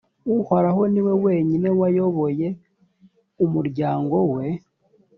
uhoraho ni we wenyine wayoboye umuryango we.